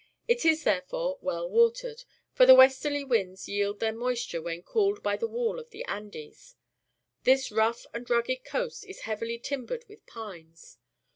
It is, therefore, well watered, for the westerly winds j ield their moisture when cooled by the wall of the .\ndes. This rough and rugged coast is hea\'ily timbered w'ith pines.